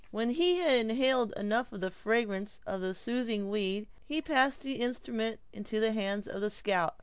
When he had inhaled enough of the fragrance of the soothing weed, he passed the instrument into the hands of the scout.